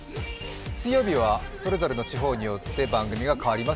水曜日はそれぞれの地方によって番組が変わります。